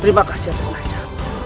terima kasih atas naiknya